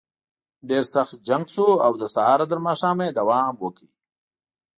ډېر سخت جنګ شو او له سهاره تر ماښامه یې دوام وکړ.